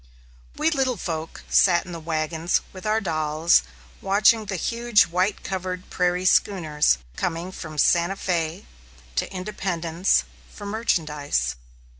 We little folk sat in the wagons with our dolls, watching the huge white covered "prairie schooners" coming from Santa Fé to Independence for merchandise.